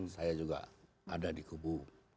saya juga ada di kubu